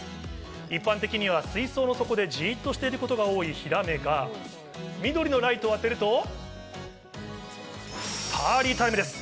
一般的には水槽の底でじっとしていることが多いヒラメが、緑のライトを当てると、パーリータイムです。